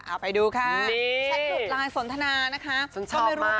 เอาไปดูค่ะแชทหลุดลายสนทนานะคะ